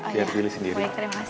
biar pilih sendiri